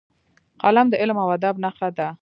قلم د علم او ادب نښه ده